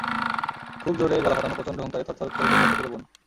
খুব জোরে গলা ফাটানো প্রচণ্ড হুংকারে থরথর করে কেঁপে ওঠে পুরো বন।